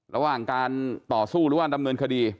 ระหว่างการต่อสู้หรือว่าดำเนินคดี